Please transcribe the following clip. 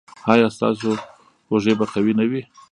ایا ستاسو اوږې به قوي نه وي؟